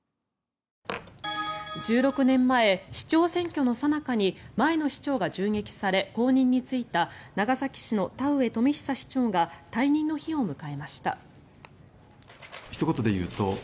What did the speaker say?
１６年前市長選挙のさなかに前の市長が銃撃され後任に就いた長崎市の田上富久市長が退任の日を迎えました。